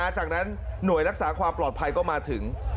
จากนั้นหน่วยรักษาความปลอดภัยก็มาถึง